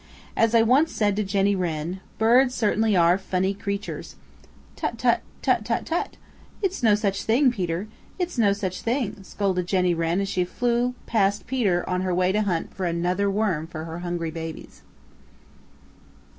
As I once said to Jenny Wren, birds certainly are funny creatures." "Tut, tut, tut, tut, tut! It's no such thing, Peter Rabbit. It's no such thing," scolded Jenny Wren as she flew last Peter on her way to hunt for another worm for her hungry babies.